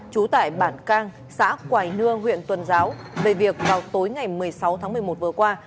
trú tại bản cang xã quài nưa huyện tuần giáo về việc vào tối ngày một mươi sáu tháng một mươi một vừa qua